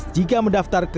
jika mendaftar ke kppdi